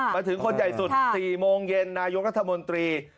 มาถึงคนใหญ่สุด๔โมงเย็นนายกรัฐมนตรี